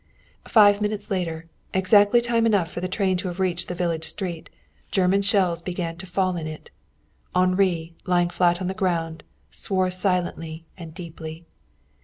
Five minutes later, exactly time enough for the train to have reached the village street, German shells began to fall in it. Henri, lying flat on the ground, swore silently and deeply.